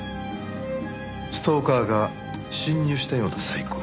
ストーカーが侵入したような細工をした。